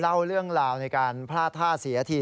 เล่าเรื่องราวในการพลาดท่าเสียที